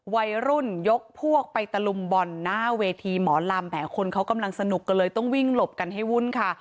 วัยรุ่นยกพวกไปตะลุมบ่อนหน้าเวทีหมอลำแหมคนเขากำลังสนุกกันเลยต้องวิ่งหลบกันให้วุ่นค่ะ